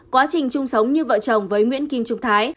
quá trình chung sống như vợ chồng với nguyễn kim trung thái